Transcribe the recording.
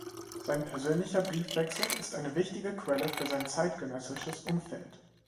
Sein persönlicher Briefwechsel ist eine wichtige Quelle für sein zeitgenössisches Umfeld.